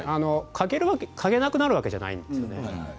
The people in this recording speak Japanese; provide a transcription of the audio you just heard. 嗅げなくなるわけではないんですね。